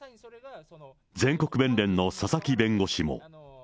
全国弁連の佐々木弁護士も。